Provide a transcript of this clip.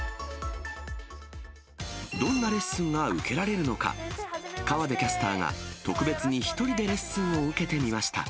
どんなレッスンが受けられるのか、河出キャスターが特別に１人でレッスンを受けてみました。